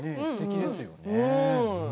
すてきですよね。